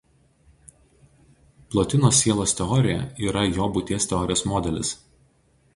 Plotino sielos teorija yra jo būties teorijos modelis.